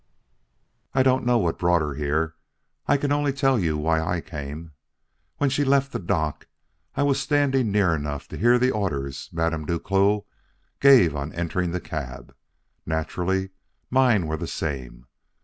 "I don't know what brought her here; I can only tell you why I came. When she left the dock, I was standing near enough to hear the orders Madame Duclos gave on entering a cab. Naturally, mine were the same.